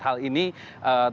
hal ini tentunya